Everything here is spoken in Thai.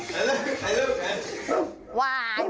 แหละล่ะไหนละ